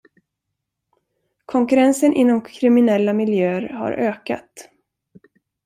Konkurrensen inom kriminella miljöer har ökat.